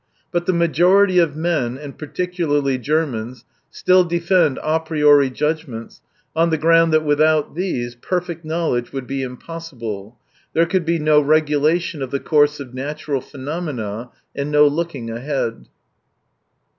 But the majority of men, and particularly Germans, still defend a priori judgments, on the ground that without these, perfect knowledge would be impossible, there could be no regulation of the course of natural phenomena, and no looking ahead.